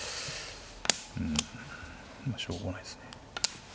うんまあしょうがないですね。